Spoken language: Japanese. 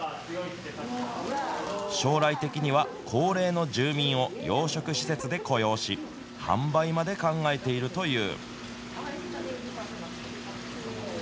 将来的には、高齢の住民を養殖施設で雇用し、販売まで考えているという。